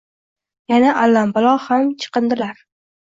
Yana allambalo ham chiqindilar.